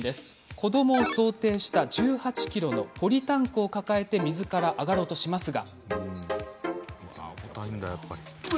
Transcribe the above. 子どもを想定した１８ｋｇのポリタンクを抱えて水から上がろうとしますが。